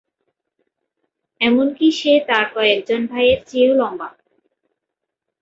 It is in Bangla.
এমনকি সে তার কয়েকজন ভাইয়ের চেয়েও লম্বা।